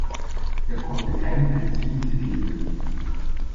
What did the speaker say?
Er konnte keinen einzigen Titel erringen.